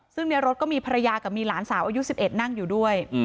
ซึ่งในรถก็มีภรรยากับมีหลานสาวอายุ๑๑นั่งอยู่ด้วย